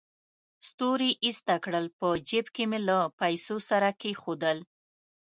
ستوري ایسته کړل، په جېب کې مې له پیسو سره کېښودل.